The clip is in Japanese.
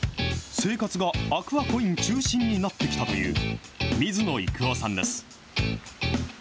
生活がアクアコイン中心になってきたという水野幾雄さんです。